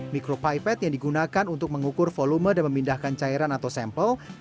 mikropipet yang digunakan untuk mengukur volume dan memindahkan cairan atau sampel